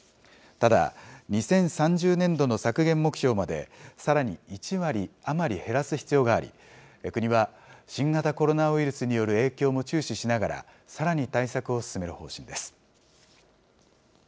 ただ、２０３０年度の削減目標まで、さらに１割余り減らす必要があり、国は新型コロナウイルスによる影響も注視しながら、さらに対策を進める方針です。